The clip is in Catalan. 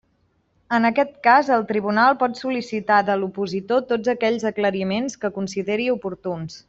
En aquest cas el Tribunal pot sol·licitar de l'opositor tots aquells aclariments que consideri oportuns.